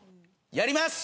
やります！